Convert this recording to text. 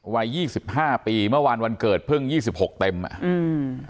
วัยยี่สิบห้าปีเมื่อวานวันเกิดเพิ่งยี่สิบหกเต็มอ่ะอืม